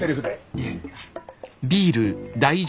いえ。